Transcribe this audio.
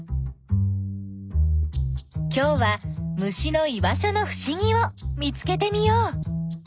今日は虫の居場所のふしぎを見つけてみよう。